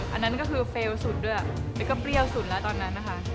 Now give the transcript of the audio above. อันนั้นก็คือเฟลล์สุดด้วยแล้วก็เปรี้ยวสุดแล้วตอนนั้นนะคะ